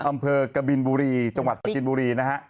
อำเภอกบฎินบูรีจังหวัดปชินบูรี